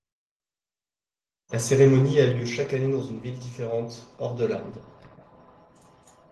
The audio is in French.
La cérémonie a lieu chaque année dans une ville différente, hors de l'Inde.